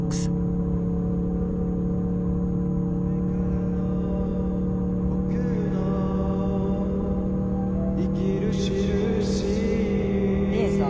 「これからの僕の生きるしるし」凜さ。